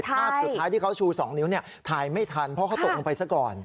ภาพสุดท้ายที่เขาชู๒นิ้วถ่ายไม่ทันเพราะเขาตกลงไปซะก่อน